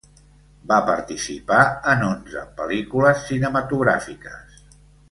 Va participar en onze pel·lícules cinematogràfiques.